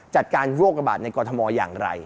จัดการโรคระบาดในกรทมอย่างไร